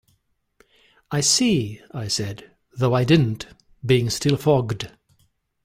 "I see," I said, though I didn't, being still fogged.